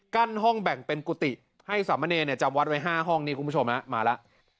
กั้นห้องแบ่งเป็นกุฏิให้สามเมนียนเนี่ยจำวัดไว้๕ห้องนี้คุณผู้ชมนะมาละ